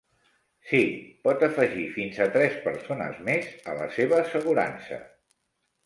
Sí, pot afegir fins a tres persones més a la seva assegurança.